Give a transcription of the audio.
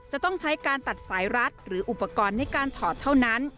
จะต้องใช้การตัดสายรัดหรืออุปกรณ์ในการถอดเท่านั้น